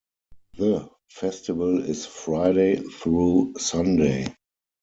The festival is Friday through Sunday.